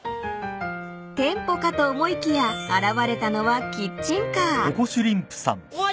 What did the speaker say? ［店舗かと思いきや現れたのはキッチンカー］